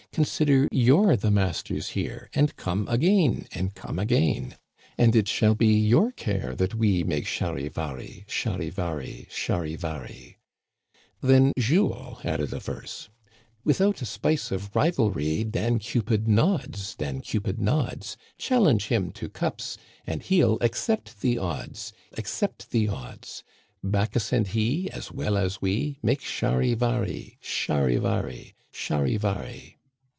Consider you*re the masters here. And come again {jrpeat\ And it shall be your care that we Make Charivari ! Charivari ! Charivari !* Then Jules added a verse :Without a spice of rivalry Dan Cupid nods {repeat\ But challenge him to cups, and he 'LI accept the odds (repeat), Bacchus and he, as well as we. Make Charivari ! Charivari ! Charivari